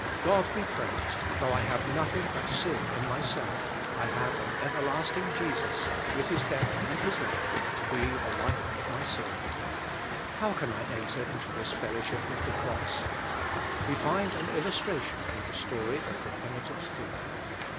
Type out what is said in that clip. God be praised, though I have nothing but sin in myself, I have an everlasting Jesus, with His death and His life, to be the life of my soiiL" How can I enter into this fellowship of the cross? We find an illustration in the story of the penitent thief.